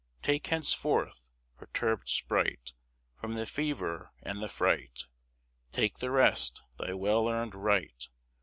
Take henceforth, perturbèd sprite, From the fever and the fright, Take the rest, thy well earned right.